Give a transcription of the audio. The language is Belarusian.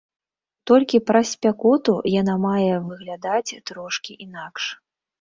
Толькі праз спякоту яна мае выглядаць трошкі інакш.